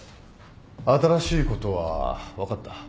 新しいことは分かった？